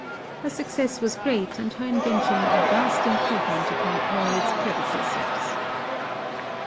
Her success was great, and her invention a vast improvement upon all its predecessors.